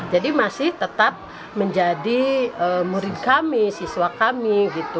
jadi masih tetap menjadi murid kami siswa kami